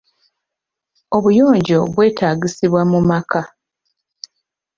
Obuyonjo bwetagisibwa mu maka.